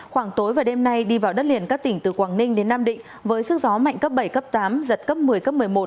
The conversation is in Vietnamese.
khoảng tối và đêm nay đi vào đất liền các tỉnh từ quảng ninh đến nam định với sức gió mạnh cấp bảy cấp tám giật cấp một mươi cấp một mươi một